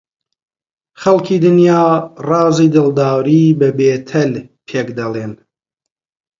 خەڵکی دنیا ڕازی دڵداری بە بێتەل پێک دەڵێن